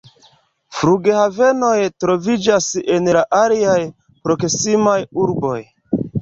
Flughavenoj troviĝas en la aliaj proksimaj urboj.